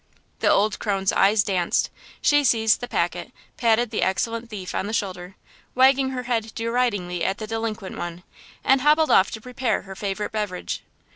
The old crone's eyes danced. She seized the packet, patted the excellent thief on the shoulder, wagged her head deridingly at the delinquent one, and hobbled off to prepare her favorite beverage.